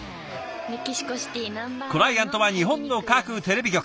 クライアントは日本の各テレビ局。